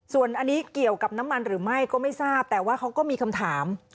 ส่วนอันนี้เกี่ยวกับน้ำมันหรือไม่ก็ไม่ทราบแต่ว่าเขาก็มีคำถาม